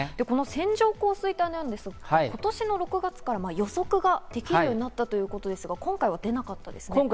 線状降水帯なんですが、今年の６月から予測できるようになったということですが、今回は出なかったんですね。